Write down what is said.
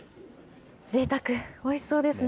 ぜいたく、おいしそうですね。